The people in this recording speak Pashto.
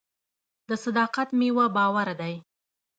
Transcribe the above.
د صداقت میوه باور دی.